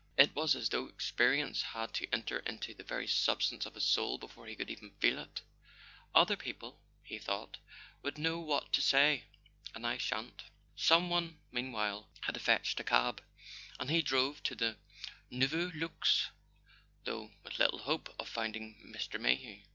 It was as though experience had to enter into the very substance of his soul before he could even feel it. "Other people," he thought, "would know what to say, and I shan't. . Some one, meanwhile, had fetched a cab, and he drove to the Nouveau Luxe, though with little hope of finding Mr. Mayhew.